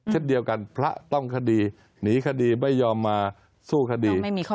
เช่นเดียวกันพระต้องคดีหนีคดีไม่ยอมมาสู้คดี